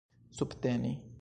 subteni